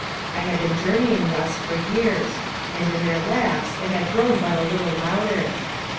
I had been journeying thus for years, and in their lapse it had grown but a little louder.